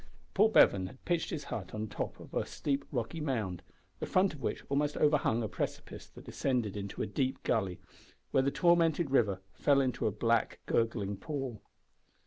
Paul Bevan had pitched his hut on the top of a steep rocky mound, the front of which almost overhung a precipice that descended into a deep gully, where the tormented river fell into a black and gurgling pool.